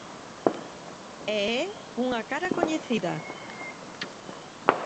E é unha cara coñecida.